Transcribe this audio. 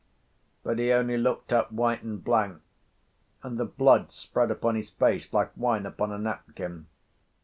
But he only looked up white and blank, and the blood spread upon his face like wine upon a napkin.